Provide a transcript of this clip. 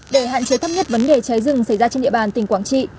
để hạn chế thấp nhất vấn đề cháy rừng xảy ra trên địa bàn tỉnh quảng trị